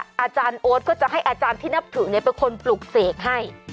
อาจารย์โอ๊ตก็จะให้อาจารย์ที่นับถือเป็นคนปลุกเสกให้